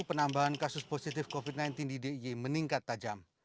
penambahan kasus positif covid sembilan belas di di meningkat tajam